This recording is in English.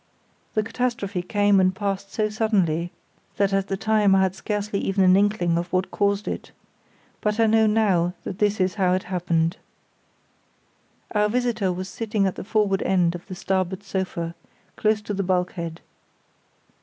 The catastrophe came and passed so suddenly that at the time I had scarcely even an inkling of what caused it; but I know now that this is how it happened. Our visitor was sitting at the forward end of the starboard sofa, close to the bulkhead.